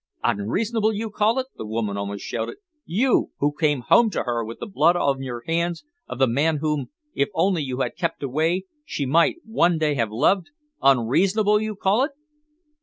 "Unreasonable, you call it?" the woman almost shouted. "You, who came home to her with the blood on your hands of the man whom, if only you had kept away, she might one day have loved? Unreasonable, you call it?"